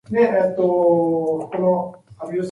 He was particularly close with Vincas Kudirka.